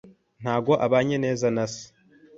Ntabwo abanye neza na se.